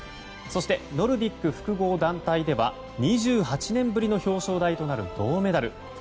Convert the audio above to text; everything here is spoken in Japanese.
そしてノルディック複合団体では２８年ぶりの表彰台となる銅メダル。